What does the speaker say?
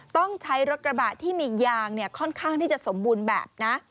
ต้องใช้รถกระบะที่มียางค่อนข้างที่จะสมบูรณ์แบบนะ